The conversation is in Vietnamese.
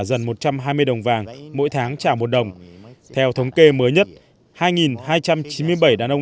gần một trăm hai mươi đồng vàng mỗi tháng trả một đồng theo thống kê mới nhất hai hai trăm chín mươi bảy đàn ông